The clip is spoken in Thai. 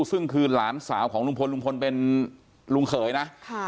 ซึ่งคือหลานสาวของลุงพลลุงพลเป็นลุงเขยนะ